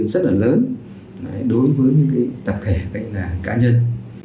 một nguồn cổ vũ rất là lớn đối với những tập thể cá nhân